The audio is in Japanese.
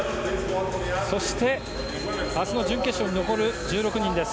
そして、明日の準決勝に残る１６人です。